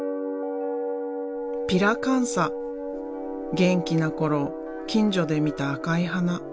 元気な頃近所で見た赤い花。